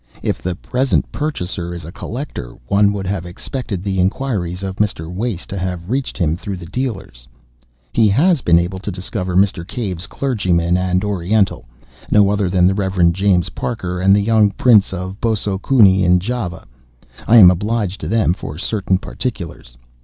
If the present purchaser is a collector, one would have expected the enquiries of Mr. Wace to have reached him through the dealers. He has been able to discover Mr. Cave's clergyman and "Oriental" no other than the Rev. James Parker and the young Prince of Bosso Kuni in Java. I am obliged to them for certain particulars.